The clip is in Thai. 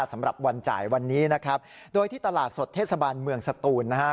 สำหรับวันจ่ายวันนี้นะครับโดยที่ตลาดสดเทศบาลเมืองสตูนนะฮะ